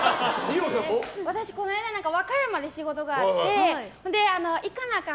私、この間和歌山で仕事があって行かなあかん